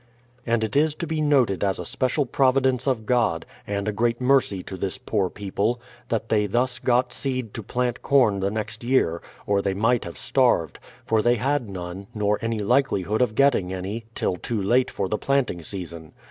And it is to be noted as a special providence of God, and a great mercy to this poor people, that they thus got seed to plant corn the next year, or they might have starved; for they had none, nor any likelihood of getting any, till too late for the planting season.